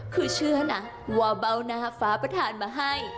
คือเชื่อนะว่าเบาหน้าฟ้าประธานมาให้